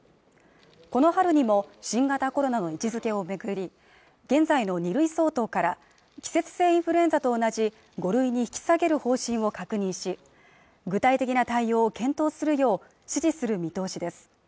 この春にも新型コロナの位置づけをめぐり現在の２類相当から季節性インフルエンザと同じ５類に引き下げる方針を確認し具体的な対応を検討するよう指示する見通しです